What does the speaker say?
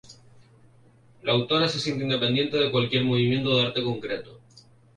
La autora se siente independiente de cualquier movimiento de arte concreto.